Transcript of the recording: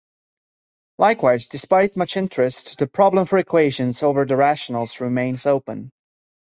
Likewise, despite much interest, the problem for equations over the rationals remains open.